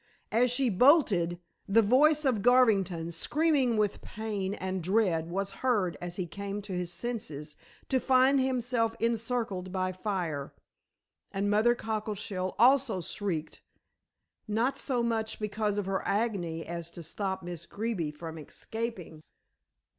As she bolted the voice of Garvington screaming with pain and dread was heard as he came to his senses to find himself encircled by fire. And Mother Cockleshell also shrieked, not so much because of her agony as to stop Miss Greeby from escaping.